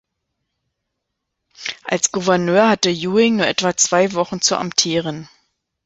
Als Gouverneur hatte Ewing nur etwa zwei Wochen zu amtieren.